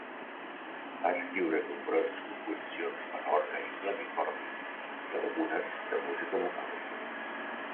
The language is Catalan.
Va escriure nombroses composicions per a orgue i clavicordi, i algunes de música vocal.